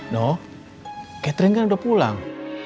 no catering kan udah pulang